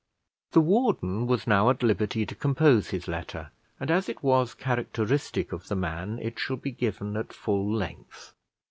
The warden was now at liberty to compose his letter, and, as it was characteristic of the man, it shall be given at full length.